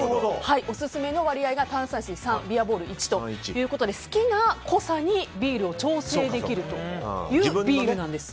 オススメの割合が炭酸水３ビアボール１ということで好きな濃さにビールを調整できるというビールなんです。